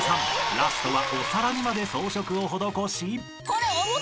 ［ラストはお皿にまで装飾を施し］